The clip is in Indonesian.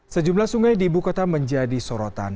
sejumlah sungai di ibu kota menjadi sorotan